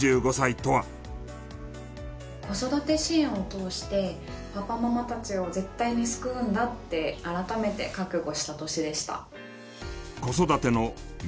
子育て支援を通してパパママたちを絶対に救うんだって改めて覚悟した年でした。